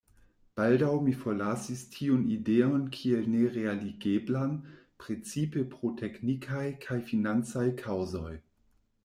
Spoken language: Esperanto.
Baldaŭ mi forlasis tiun ideon kiel nerealigeblan, precipe pro teknikaj kaj financaj kaŭzoj.